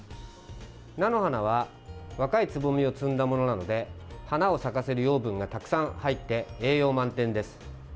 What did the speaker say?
菜の花は若いつぼみを摘んだものなので花を咲かせる養分がたくさん入って栄養満点です。